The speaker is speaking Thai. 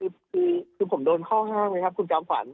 คือผมโดนข้อห้ามไหมครับคุณจอมขวัญ